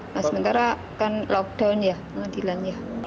masih mentara kan lockdown ya pengadilan ya